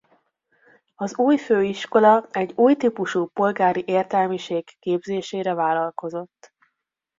Az új főiskola egy új típusú polgári értelmiség képzésére vállalkozott.